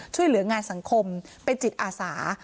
ช่วยเหลืองานสังคมเป็นจิตอาสา